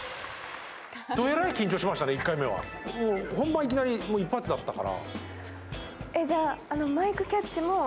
本番いきなり一発だったから。